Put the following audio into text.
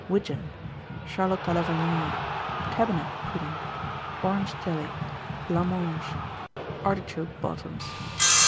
Widgeon. Charlotte à la Vanille. Cabinet Pudding. Orange Jelly. Blancmange. Artichoke Bottoms.